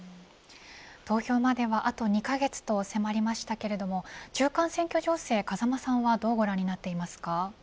投票まであと２カ月と迫りましたけれども中間選挙情勢、風間さんはどうご覧になっていますか。